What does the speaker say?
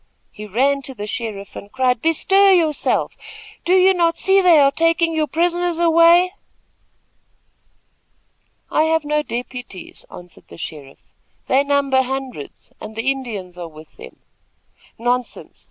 He ran to the sheriff and cried: "Bestir yourself! Do you not see they are taking your prisoners away?" "I have no deputies," answered the sheriff. "They number hundreds, and the Indians are with them." "Nonsense!